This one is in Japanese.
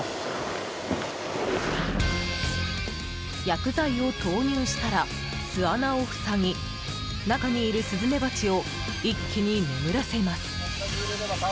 薬剤を投入したら巣穴を塞ぎ中にいるスズメバチを一気に眠らせます。